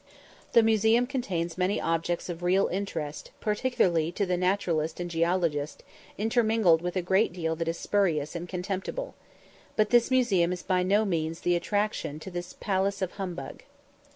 The museum contains many objects of real interest, particularly to the naturalist and geologist, intermingled with a great deal that is spurious and contemptible. But this museum is by no means the attraction to this "Palace of Humbug."